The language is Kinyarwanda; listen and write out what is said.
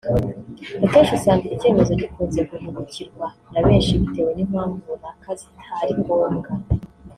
Akenshi usanga icyi cyemezo gikunze guhubukirwa na benshi bitewe n’impamvu runaka zitari ngombwa